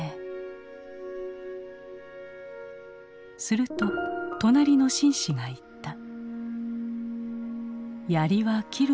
すると隣の紳士が言った。